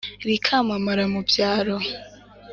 rikamamara mu byaro.